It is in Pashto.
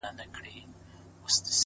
خو دوى يې د مريد غمى د پير پر مخ گنډلی ـ